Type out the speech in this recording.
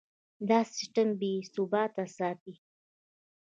دا سیستم بیې ثابت ساتي.